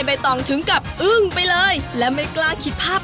ตัวหนึ่งนี่ได้แค่ครึ่งไม้ครับ